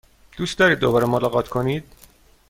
دوست دارید دوباره ملاقات کنید؟